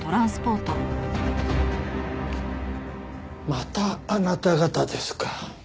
またあなた方ですか。